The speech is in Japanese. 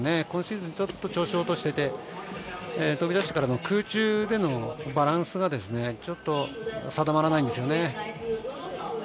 今シーズンちょっと調子を落としていて、飛び出してからの空中でのバランスが定まらないんですよね。